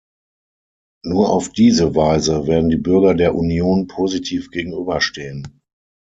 Nur auf diese Weise werden die Bürger der Union positiv gegenüberstehen.